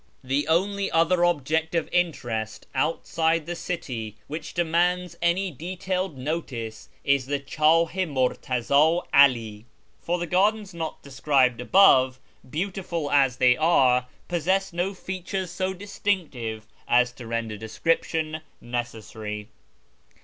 The only other object of interest outside the city which demands any detailed notice is the Chdh i Murtazd 'AH; for the gardens not described above, beautiful as they are, possess no features so distinctive as to render description necessary.